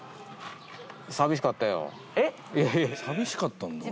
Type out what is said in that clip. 寂しかったんだ。